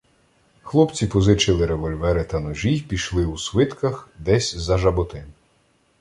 Хлопці позичили револьвери та ножі й пішли у свитках десь за Жаботин.